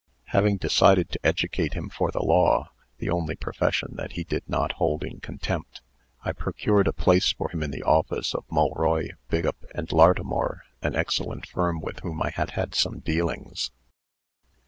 "Having decided to educate him for the law the only profession that he did not hold in contempt I procured a place for him in the office of Mulroy, Biggup & Lartimore, an excellent firm with whom I had had some dealings.